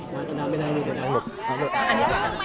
แฮปปี้